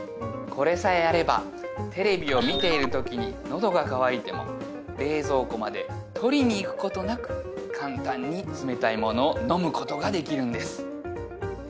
これさえあればテレビを見ているときに喉が渇いても冷蔵庫まで取りにいくことなく簡単に冷たいものを飲むことができるんです